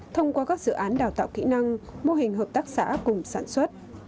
thông qua các dự án đào tạo kỹ năng mô hình hợp tác xã cùng sản xuất